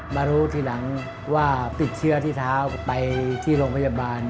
มารู้ทีหลังว่าติดเชื้อที่เท้าไปที่โรงพยาบาล